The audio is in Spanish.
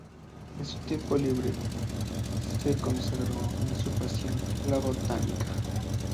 En su tiempo libre se consagró a su pasión, la Botánica.